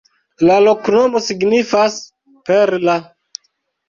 La loknomo signifas: perla.